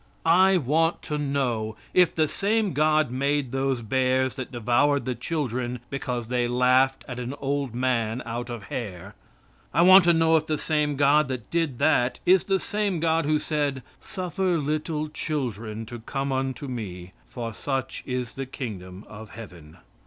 I want to know if the same God made those bears that devoured the children because they laughed at an old man out of hair. I want to know if the same God that did that is the same God who said, "Suffer little children to come unto me, for such is the kingdom of Heaven."